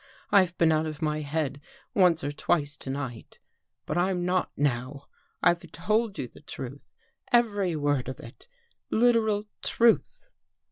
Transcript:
I've been out of my head once or twice to night, but* I'm not now. I've told you the truth. Every word of it — literal truth."